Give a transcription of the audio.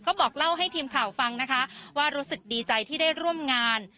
ก็บอกเล่าให้ทีมข่าวฟังนะคะว่ารู้สึกดีใจที่ได้ร่วมงาน